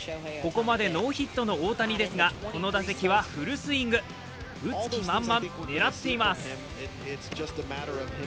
ここまでノーヒットの大谷ですがこの打席はフルスイング、打つ気満々、狙っています。